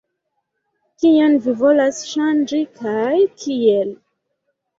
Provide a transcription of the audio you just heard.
Kion vi volas ŝanĝi kaj kiel?